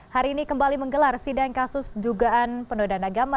hari ini kembali menggelar sidang kasus dugaan penodaan agama